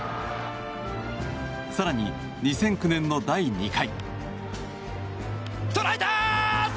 更に、２００９年の第２回。